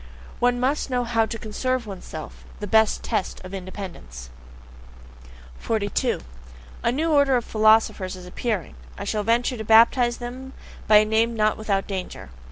One must know how TO CONSERVE ONESELF the best test of independence. 42. A new order of philosophers is appearing; I shall venture to baptize them by a name not without danger.